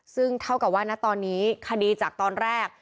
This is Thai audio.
ซึ่งเท่ากับว่าณตอนนี้คดีจากตอนแรก